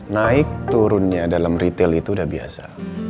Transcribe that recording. naik turunnya dalam retail itu udah biasa